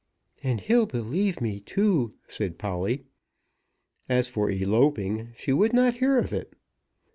"And he'll believe me too," said Polly. As for eloping, she would not hear of it.